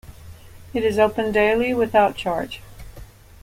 It is open daily without charge.